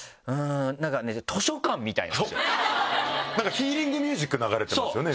ヒーリングミュージック流れてますよね